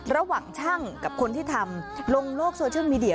ระหว่างช่างกับคนที่ทำลงโลกโซเชียลมีเดีย